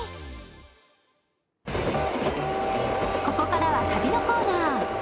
ここからは旅のコーナー。